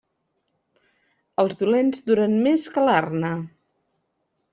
Els dolents duren més que l'arna.